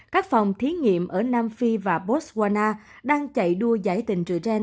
các phòng thí nghiệm ở nam phi và botswana đang chạy đua giải trình từ trên